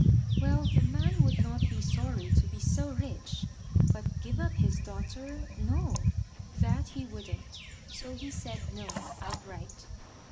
Well, the man would not be sorry to be so rich, but give up his daughter, no, that he wouldn't, so he said "No" outright.